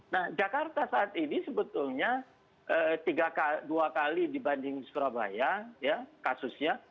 nah jakarta saat ini sebetulnya dua kali dibanding surabaya kasusnya